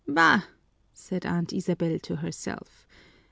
"Bah!" said Aunt Isabel to herself.